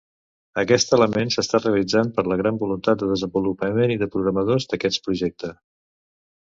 Aquest element s'està realitzant per la gran voluntat de desenvolupament i de programadors d'aquest projecte.